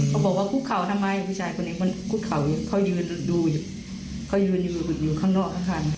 เขาบอกว่าคุกเข่าทำไมผู้ชายคนนี้คุกเขาเขายืนดูอยู่เขายืนอยู่ข้างนอกข้าง